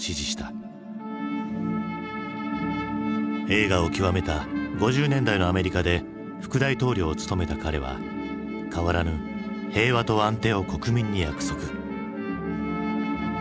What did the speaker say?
栄華を極めた５０年代のアメリカで副大統領を務めた彼は変わらぬ平和と安定を国民に約束。